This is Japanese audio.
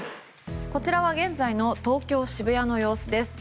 こちらは現在の東京・渋谷の様子です。